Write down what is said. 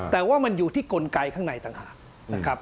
แต่ว่ามันอยู่ที่กลไกข้างในต่างหากนะครับ